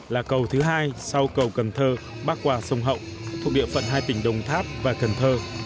là cầu thứ hai sau cầu cần thơ bắc qua sông hậu thuộc địa phận hai tỉnh đồng tháp và cần thơ